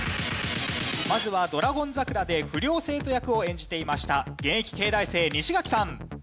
まずは『ドラゴン桜』で不良生徒役を演じていました現役慶大生西垣さん。